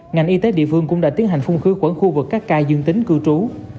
ngành y tế địa phương cũng đã tiến hành phung khứ quẩn khu vực các ca dương tính cư trú